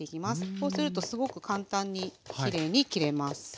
そうするとすごく簡単にきれいに切れます。